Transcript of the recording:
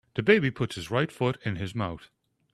The baby puts his right foot in his mouth.